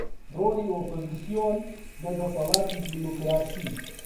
ڕۆڵی ئۆپۆزسیۆن لە دەسەڵاتی دیموکراسی